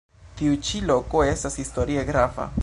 Tiu ĉi loko estas historie grava.